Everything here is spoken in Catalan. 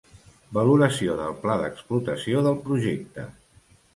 Valoració del pla d'explotació del projecte.